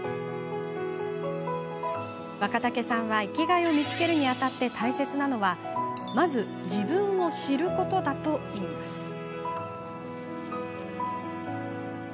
若竹さんは生きがいを見つけるにあたって大切なのはまず自分を知ることだといいます。